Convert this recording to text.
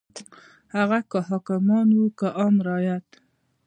هغه که حاکمان وو که عام رعیت.